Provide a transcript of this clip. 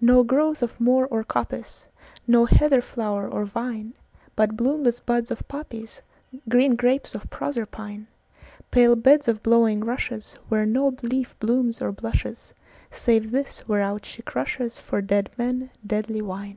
No growth of moor or coppice, No heather flower or vine, But bloomless buds of poppies, Green grapes of Proserpine, Pale beds of blowing rushesWhere no leaf blooms or blushes, Save this whereout she crushesFor dead men deadly wine.